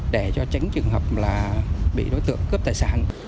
để cho tránh trường hợp là bị đối tượng cướp tài sản